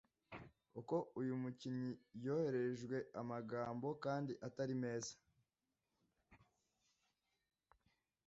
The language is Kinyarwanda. ko uyu mukinyi yoherejwe amajambo kandi atari meza